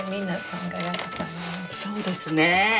そうですね。